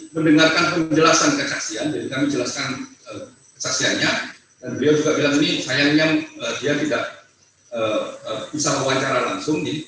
mendengarkan penjelasan kesaksian jadi kami jelaskan kesaksiannya dan beliau juga bilang ini sayangnya dia tidak bisa wawancara langsung